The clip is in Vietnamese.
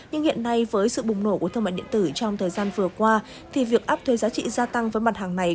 nhưng hiện nay với sự bùng nổ của thương mại điện tử trong thời gian vừa qua thì việc áp thuế giá trị gia tăng với mặt hàng này